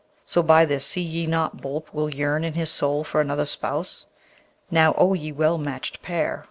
So by this see ye not Boolp will yearn in his soul for another spouse? Now, O ye well matched pair!